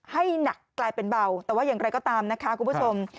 ให้หนักกลายเป็นเบาแต่ว่าอย่างไรก็ตามนะคะคุณผู้ชม